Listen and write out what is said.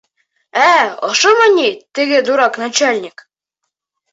Ә, ошомо ни теге дурак начальник?